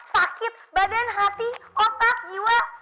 sakit badan hati otak jiwa